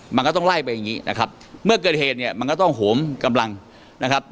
มันก็ต้องไล่ไปอย่างงี้นะครับเมื่อเกิดเหตุเนี่ยมันก็ต้องโหมกำลังนะครับ